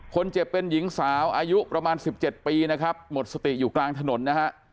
คนเจ็บเป็นหญิงสาวอายุประมาณ๑๗ปีนะครับหมดสติอยู่กลางถนนนะฮะ